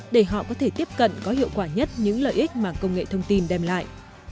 để họ có thể tiếp cận có hiệu quả nhất những lợi ích mà công nghệ thông tin đem lại